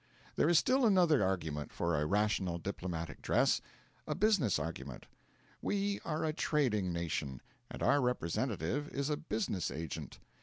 There is still another argument for a rational diplomatic dress a business argument. We are a trading nation; and our representative is a business agent.